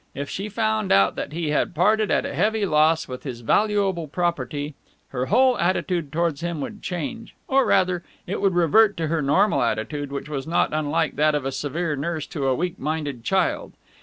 If she found out that he had parted at a heavy loss with this valuable property, her whole attitude towards him would change or, rather it would revert to her normal attitude, which was not unlike that of a severe nurse to a weak minded child.